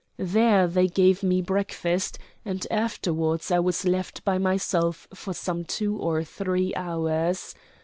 There they gave me breakfast, and afterward I was left by myself for some two or three hours.